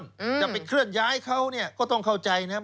จะไปเคลื่อนย้ายเขาเนี่ยก็ต้องเข้าใจนะครับ